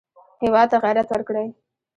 هېواد ته غیرت ورکړئ